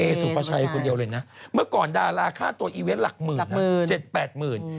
เอสุประชายคนเดียวเลยนะเมื่อก่อนดาราฆ่าตัวอีเวสหลักหมื่นนะ๗๘หมื่น